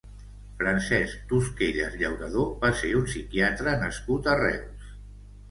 Francesc Tosquelles Llauradó va ser un psiquiatre nascut a Reus.